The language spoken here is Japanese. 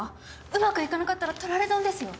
うまくいかなかったら取られ損ですよ